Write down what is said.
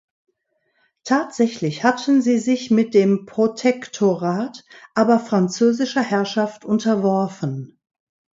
Tatsächlich hatten sie sich mit dem „Protektorat“ aber französischer Herrschaft unterworfen.